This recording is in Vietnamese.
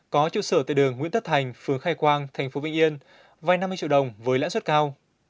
có trụ sở tại đường nguyễn tất thành phường khai quang tp vĩnh yên vay năm mươi triệu đồng với lãi suất cao